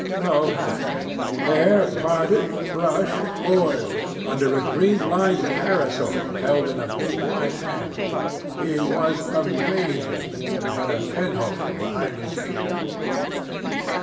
No hat. Hair parted, brushed, oiled, under a green lined parasol held in a big white hand. He was amazing, and had a penholder behind his ear.